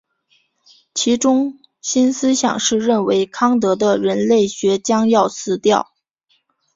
其中心思想是认为康德的人类学将要死掉。